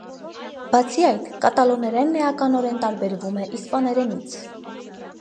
Բացի այդ, կատալոներենն էականորեն տարբերվում է իսպաներենից։